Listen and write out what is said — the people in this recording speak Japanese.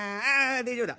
大丈夫だ。